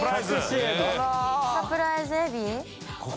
サプライズエビ？